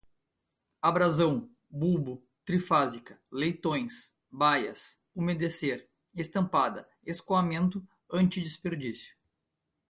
abrasão, bulbo, trifásica, leitões, baias, umedecer, estampada, escoamento, antidesperdício